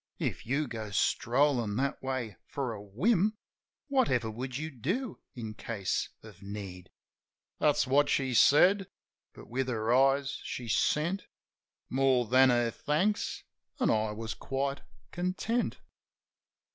If you go strollin' that way for a whim Whatever would you do in case of need?" That's what she said. But with her eyes she sent More than her thanks; an' I was quite content.